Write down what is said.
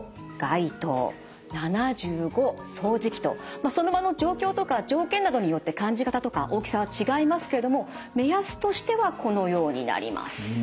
まあその場の状況とか条件などによって感じ方とか大きさは違いますけれども目安としてはこのようになります。